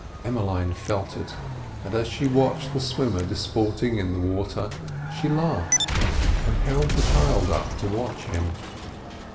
Emmeline felt it, and as she watched the swimmer disporting in the water, she laughed, and held the child up to watch him.